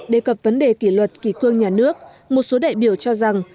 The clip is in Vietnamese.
đề cập vấn đề kỷ luật kỷ cương nhà nước một số đại biểu cho rằng